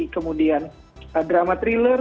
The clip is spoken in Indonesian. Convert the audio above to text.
kemudian drama thriller